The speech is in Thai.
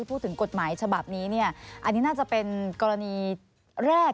พูดถึงกฎหมายฉบับนี้เนี่ยอันนี้น่าจะเป็นกรณีแรก